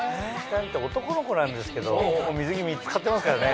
男の子なんですけどもう水着３つ買ってますからね。